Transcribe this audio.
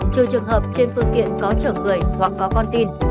trừ trường hợp trên phương tiện có chở người hoặc có con tin